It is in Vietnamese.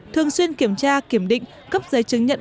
thường xuyên kiểm tra kiểm định cấp giấy chứng nhận